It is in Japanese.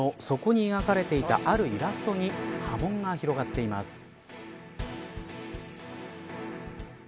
そこに描かれていたあるイラストに波紋が広がっています。